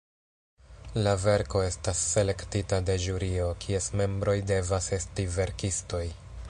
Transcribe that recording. La verko estas selektita de ĵurio, kies membroj devas esti verkistoj.